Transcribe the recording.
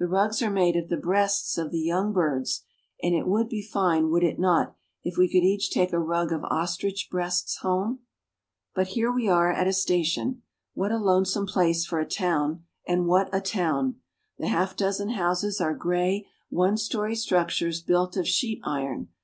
The rugs are made of the breasts of the young birds, and it would be fine, would it not, if we could each take a rug of ostrich breasts home? Blit here we are at a station. What a lonesome place for a town, and what a town! ' The half dozen houses are gray one story structures built of sheet iron.